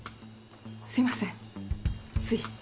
すいませんつい。